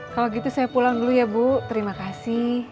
kalau gitu saya pulang dulu ya bu terima kasih